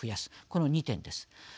この２点です。